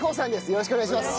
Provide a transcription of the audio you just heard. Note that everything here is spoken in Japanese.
よろしくお願いします。